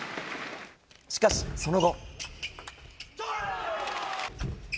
しかし、その後。